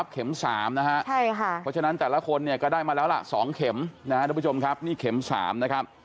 ๒เข็มนะครับทุกผู้ชมครับนี่เข็ม๓นะครับ